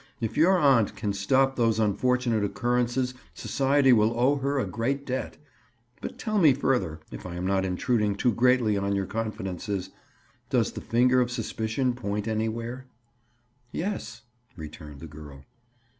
"If your aunt can stop these unfortunate occurrences society will owe her a great debt. But tell me further, if I am not intruding too greatly on your confidences, does the finger of suspicion point anywhere?" "Yes," returned the girl.